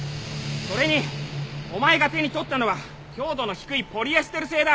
それにお前が手に取ったのは強度の低いポリエステル製だ。